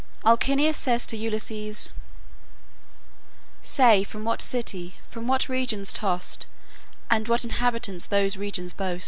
Alcinous says to Ulysses: "Say from what city, from what regions tossed, And what inhabitants those regions boast?